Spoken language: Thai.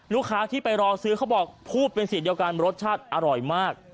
ลูกค้าที่ไปรอซื้อเขาบอกพูดเป็นเสียงเดียวกันรสชาติอร่อยมาก